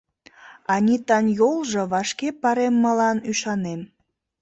Анитан йолжо вашке пареммылан ӱшанем.